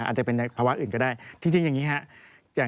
อาจจะเป็นภาวะอื่นก็ได้จริงอย่างนี้ครับ